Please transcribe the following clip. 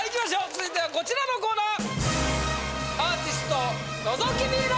続いてはこちらのコーナー！